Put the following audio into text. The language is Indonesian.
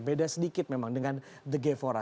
beda sedikit memang dengan the gevora